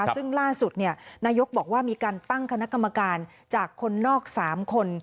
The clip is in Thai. ซึ่งล่าสุดนายกบอกว่ามีการตั้งคณะกรรมการจากคนนอก๓คน